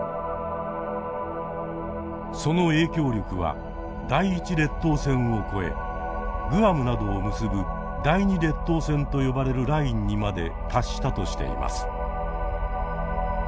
その影響力は第１列島線を越えグアムなどを結ぶ第２列島線と呼ばれるラインにまで達したとしています。